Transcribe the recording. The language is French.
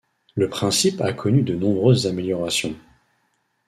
Le principe a connu de nombreuses améliorations.